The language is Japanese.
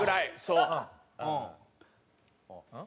うん？